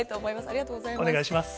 ありがとうございます。